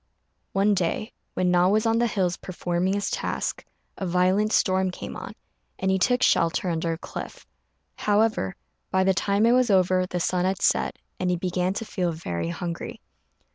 One day, when Na was on the hills performing his task, a violent storm came on, and he took shelter under a cliff. However, by the time it was over the sun had set, and he began to feel very hungry.